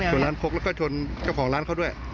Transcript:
ชนร้านคลกแล้วก็ชนของร้านเขาด้วย